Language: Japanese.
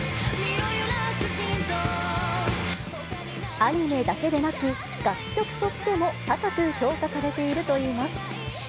アニメだけでなく、楽曲としても高く評価されているといいます。